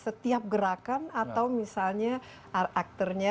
setiap gerakan atau misalnya aktornya